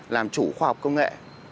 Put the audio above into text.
làm chủ khoa học công nghệ